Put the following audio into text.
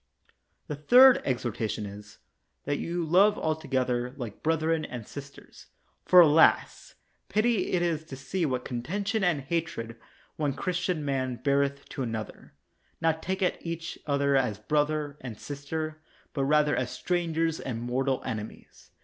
The third exhortation is: That you love alto gether like brethren and sisters. For, alas ! pity it is to see what contention and hatred one Chris tian man beareth to another, not taking each other as brother and sister, but rather as stran gers and mortal enemies.